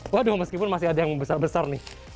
waduh meskipun masih ada yang besar besar nih